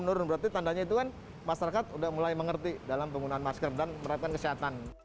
menurun berarti tandanya itu kan masyarakat udah mulai mengerti dalam penggunaan masker dan menerapkan kesehatan